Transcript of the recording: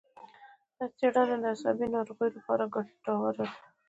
دا څېړنه د عصبي ناروغیو لپاره ګټوره ده.